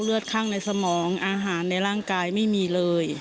เลือดข้างในสมองอาหารในร่างกายไม่มีเลย